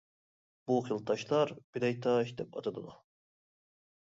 بۇ خىل تاشلار «بىلەي تاش» دەپ ئاتىلىدۇ.